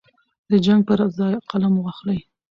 د جنګ پر ځای قلم واخلئ.